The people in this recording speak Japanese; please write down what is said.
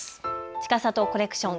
ちかさとコレクション。